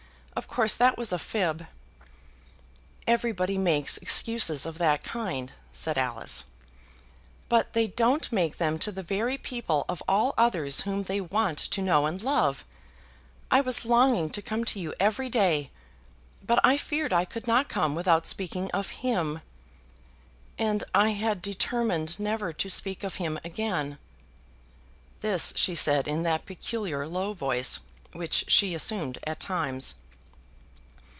Of course that was a fib." "Everybody makes excuses of that kind," said Alice. "But they don't make them to the very people of all others whom they want to know and love. I was longing to come to you every day. But I feared I could not come without speaking of him; and I had determined never to speak of him again." This she said in that peculiar low voice which she assumed at times.